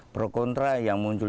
prokontrah yang muncul